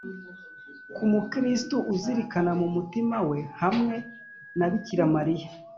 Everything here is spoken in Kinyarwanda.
ku mukristu uzirikana mu mutima we, hamwe na bikira mariya